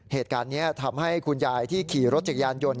เหตุการณ์นี้ทำให้คุณยายที่ขี่รถจักรยานยนต์